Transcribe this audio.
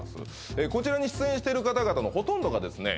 こちらに出演している方々のほとんどがですね